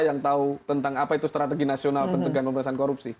yang tahu tentang apa itu strategi nasional pencegahan pemberantasan korupsi